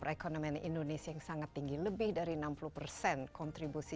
i'm desi anwar